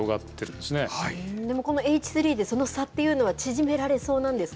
でもこのＨ３でその差っていうのは、縮められそうなんですか。